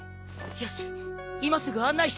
よし今すぐ案内してくれ。